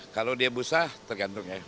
kalau dia busa tergantung ya